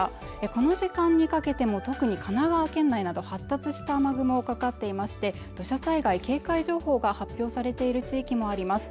この時間にかけても特に神奈川県内など発達した雨雲かかっていまして土砂災害警戒情報が発表されている地域もあります